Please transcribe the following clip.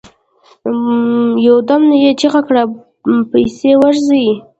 يودم يې چيغه کړه! پسې ورځو.